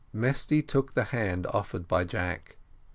Mesty took the hand offered by Jack.